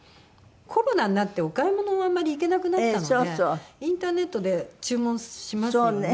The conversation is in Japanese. コロナになってお買い物もあんまり行けなくなったのでインターネットで注文しますよね。